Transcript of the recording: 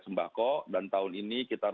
sembako dan tahun ini kita